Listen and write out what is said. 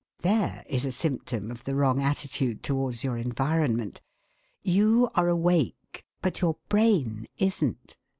There is a symptom of the wrong attitude towards your environment. You are awake, but your brain isn't.